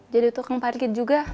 jadi tukang parkir juga